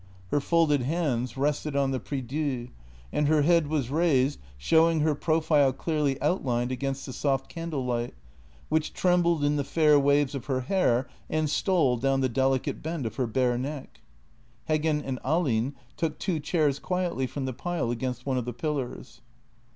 Her folded hands rested on the prie Dieu, and her head was raised, showing her profile clearly outlined against the soft candlelight, which trembled in the fair waves of her hair and stole down the delicate bend of her bare neck. Heggen and Ahlin took two chairs quietly from the pile against one of the pillars.